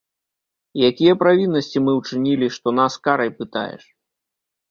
Якія правіннасці мы ўчынілі, што нас карай пытаеш?